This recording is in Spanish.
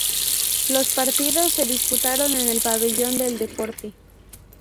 Los partidos se disputaron en el Pabellón del Deporte.